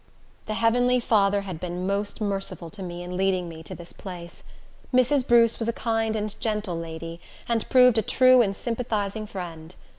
The heavenly Father had been most merciful to me in leading me to this place. Mrs. Bruce was a kind and gentle lady, and proved a true and sympathizing friend.